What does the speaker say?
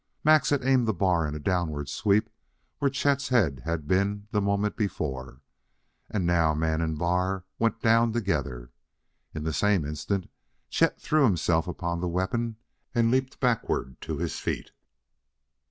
Max had aimed the bar in a downward sweep where Chet's head had been the moment before; and now man and bar went down together. In the same instant Chet threw himself upon the weapon and leaped backward to his feet.